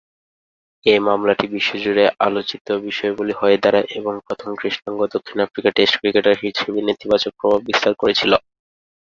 এ মামলাটি বিশ্বজুড়ে আলোচিত বিষয়াবলী হয়ে দাড়ায় এবং প্রথম কৃষ্ণাঙ্গ দক্ষিণ আফ্রিকার টেস্ট ক্রিকেটার হিসেবে নেতিবাচক প্রভাব বিস্তার করেছিল।